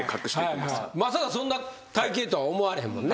まさかそんな体形とは思われへんもんね。